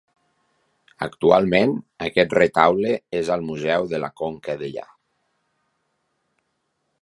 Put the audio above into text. Actualment aquest retaule és al Museu de la Conca Dellà.